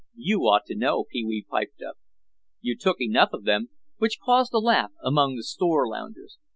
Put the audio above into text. "You ought to know," Pee wee piped up; "you took enough of them." Which caused a laugh among the store loungers.